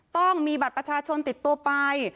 ต้องมีบัตรประชาชนติดตัวไป